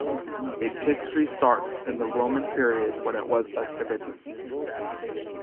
Its history starts in the Roman period when it was a civitas.